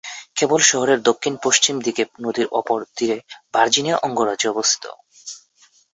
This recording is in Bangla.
কেবল শহরের দক্ষিণ-পশ্চিম দিকে নদীর অপর তীরে ভার্জিনিয়া অঙ্গরাজ্য অবস্থিত।